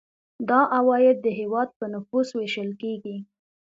دا عواید د هیواد په نفوس ویشل کیږي.